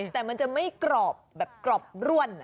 แต่มันจะไม่กรอบร่วน